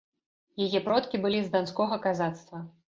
Яе продкі былі з данскога казацтва.